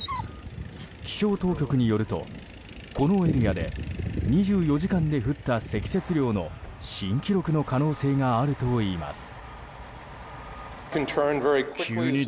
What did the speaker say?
気象当局によるとこのエリアで２４時間で降った積雪量の新記録の可能性があるといいます。